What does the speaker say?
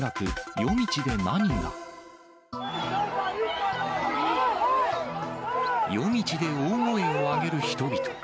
夜道で大声を上げる人々。